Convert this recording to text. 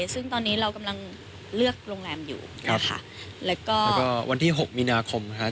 ซึ่งตอนนี้เรากำลังเลือกโรงแรมอยู่นะคะแล้วก็วันที่หกมีนาคมนะคะ